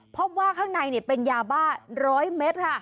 พบว่าข้างในเป็นยาบ้า๑๐๐เมตรค่ะ